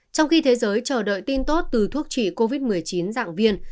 trong khi thế giới chờ đợi tin tốt từ thuốc trị covid một mươi chín dạng viên